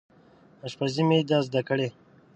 اشپزي مې ده زده کړې